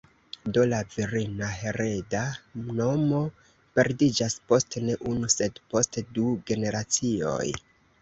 Do la virina hereda nomo perdiĝas post ne unu sed post du generacioj.